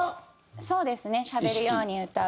そうですね「しゃべるように歌う」。